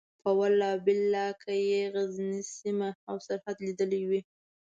په والله بالله که یې غزنۍ سیمه او سرحد لیدلی وي.